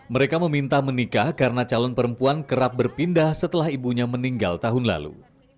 mereka meminta menikah karena calon perempuan kerap berpindah setelah ibunya meninggal tahun lalu